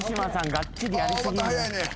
がっちりやり過ぎ。